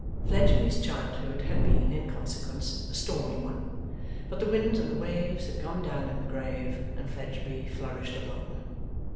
Fledgeby's childhood had been, in consequence, a stormy one; but the winds and the waves had gone down in the grave, and Fledgeby flourished alone.